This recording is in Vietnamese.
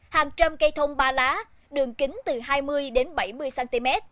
hàng trăm cây thông ba lá đường kính từ hai mươi đến bảy mươi cm